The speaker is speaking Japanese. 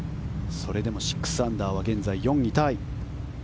それでも６アンダーは現在４位タイ。